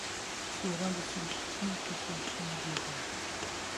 سۆران بە سروشتی کەسێکی زۆر بێدەنگە.